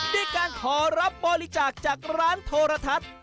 ด้วยการขอรับบริจาคจากร้านโทรทัศน์